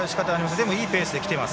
でもいいペースできてます。